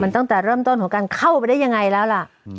ตั้งแต่เริ่มต้นของการเข้าไปได้ยังไงแล้วล่ะ